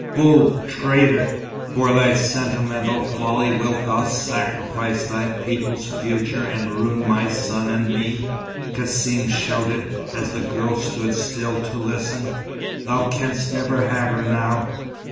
"Fool traitor! For thy sentimental folly wilt thou sacrifice thy people's future and ruin my son and me?" Cassim shouted, as the girl stood still to listen. "Thou canst never have her now.